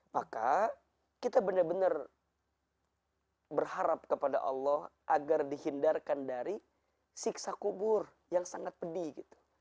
maka kita benar benar berharap kepada allah agar dihindarkan dari siksa kubur yang sangat pedih gitu